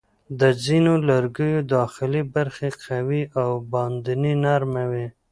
د ځینو لرګیو داخلي برخه قوي او باندنۍ نرمه وي.